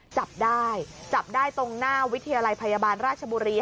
จับได้จับได้ตรงหน้าวิทยาลัยพยาบาลราชบุรี